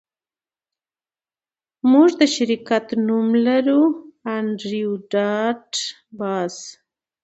موږ د شرکت نوم لرو انډریو ډاټ باس